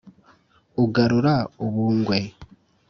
Ugarura u Bungwe